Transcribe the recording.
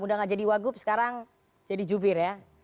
sudah tidak jadi wagup sekarang jadi jubir ya